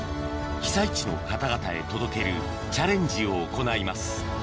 被災地の方々へ届けるチャレンジを行います